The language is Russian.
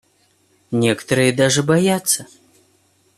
Некоторые даже боятся.